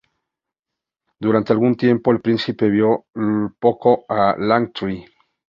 Durante algún tiempo, el Príncipe vio poco a Langtry.